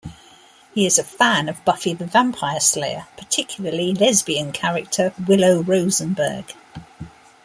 He is a fan of "Buffy the Vampire Slayer", particularly lesbian character Willow Rosenberg.